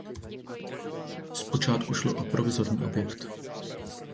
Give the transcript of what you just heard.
Zpočátku šlo o provizorní objekt.